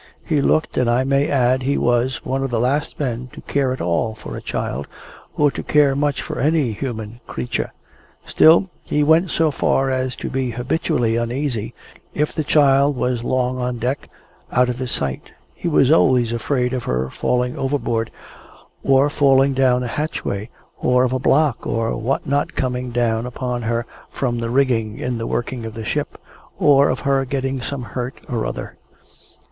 He looked, and I may add, he was, one of the last of men to care at all for a child, or to care much for any human creature. Still, he went so far as to be habitually uneasy, if the child was long on deck, out of his sight. He was always afraid of her falling overboard, or falling down a hatchway, or of a block or what not coming down upon her from the rigging in the working of the ship, or of her getting some hurt or other.